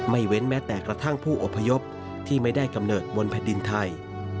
เว้นแม้แต่กระทั่งผู้อพยพที่ไม่ได้กำเนิดบนแผ่นดินไทย